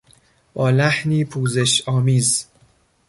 با لحنی پوزش آمیز